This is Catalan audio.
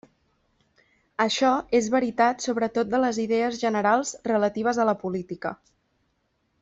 Això és veritat sobretot de les idees generals relatives a la política.